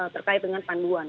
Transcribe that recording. terkait dengan panduan